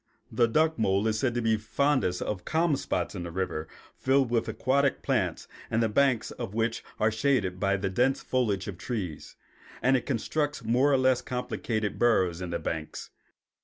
The duck mole is said to be fondest of calm spots in rivers filled with aquatic plants and the banks of which are shaded by the dense foliage of trees; and it constructs more or less complicated burrows in the banks.